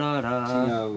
違う。